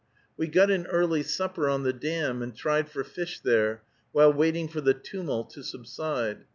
We got an early supper on the dam and tried for fish there, while waiting for the tumult to subside.